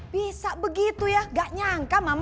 bisa begitu ya gak nyangka mama